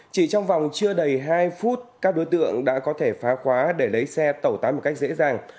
chỉ trong vòng chưa đầy hai phút các đối tượng đã có thể phá khóa để lấy xe tẩu tán một cách dễ dàng